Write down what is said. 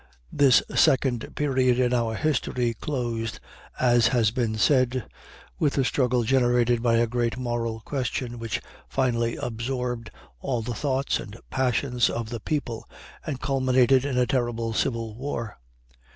This second period in our history closed, as has been said, with the struggle generated by a great moral question, which finally absorbed all the thoughts and passions of the people, and culminated in a terrible civil war.